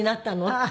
って。